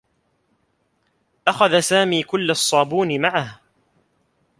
أخذ سامي كلّ الصّابون معه.